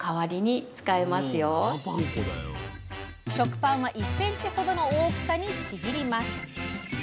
食パンは１ｃｍほどの大きさに、ちぎります。